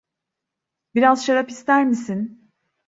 Biraz şarap ister misin?